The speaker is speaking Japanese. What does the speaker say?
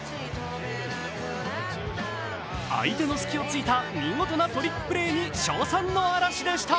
相手の隙を突いた見事なトリックプレーに称賛の嵐でした。